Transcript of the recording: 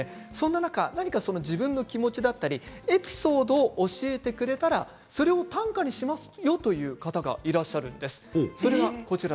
そんな中、自分の気持ちだったりエピソードを教えてくれたらそれを短歌にしますよという方がいらっしゃるんです。